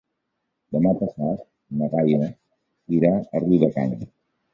Demà passat na Gal·la irà a Riudecanyes.